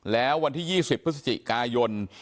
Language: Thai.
แล้ววันที่๒๐พฤศจิกายน